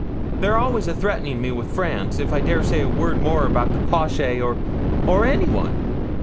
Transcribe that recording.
They're always a threatening me wi' France, if I dare say a word more about the po'shay, or or anyone.'